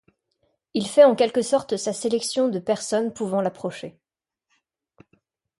Il fait en quelque sorte sa sélection de personne pouvant l'approcher.